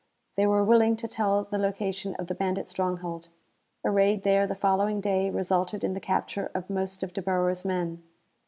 They were willing to tell the location of the bandit stronghold. A raid there the following day resulted in the capture of most of De Boer's men.